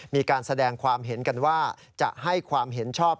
มีการแสดงความเห็นกันว่าจะให้ความเห็นชอบ